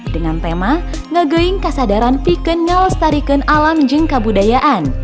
dengan tema ngegeing kesadaran piken ngelestariken alam jeng kabudayaan